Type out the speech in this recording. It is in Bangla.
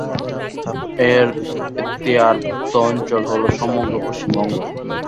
এর এক্তিয়ারভুক্ত অঞ্চল হল সমগ্র পশ্চিমবঙ্গ।